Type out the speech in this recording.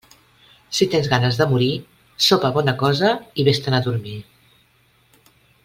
Si tens ganes de morir, sopa bona cosa i vés-te'n a dormir.